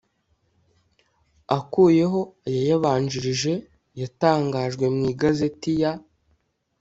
akuyeho ayayabanjirije yatangajwe mu Igazeti ya